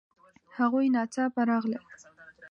هغوی ناڅاپه راغلل